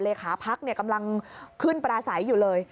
ขาพักกำลังขึ้นปราศัยอยู่เลย